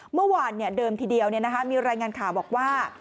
เมื่อวานเดิมทีเดียวมีรายงานข่าวบอกว่า